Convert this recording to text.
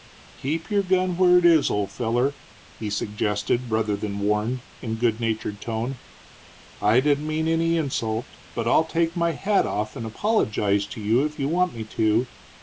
"Keep your gun where it is, old feller," he suggested, rather than warned, in good natured tone. "I didn't mean any insult, but I'll take my hat off and apologize to you if you want me to.